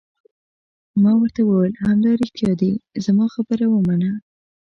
ما ورته وویل: همدارښتیا دي، زما خبره ومنه.